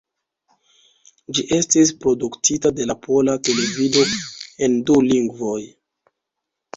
Ĝi estis produktita de la Pola Televido en du lingvoj.